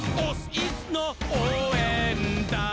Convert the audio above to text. イスのおうえんだん！」